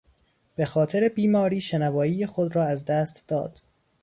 به خاطر بیماری شنوایی خود را از دست داد.